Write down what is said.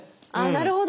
なるほど。